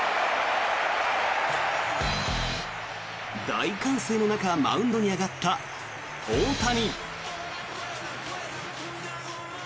大歓声の中マウンドに上がった大谷。